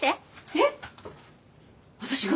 えっ私が？